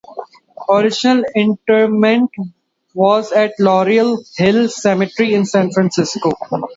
Original interment was at Laurel Hill Cemetery in San Francisco.